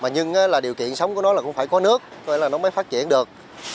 nhưng điều kiện sống của nó cũng phải có nước vậy là nó mới phát triển được